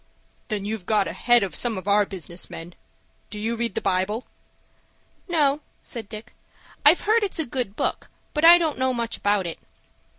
"Then you've got ahead of some of our business men. Do you read the Bible?" "No," said Dick. "I've heard it's a good book, but I don't know much about it."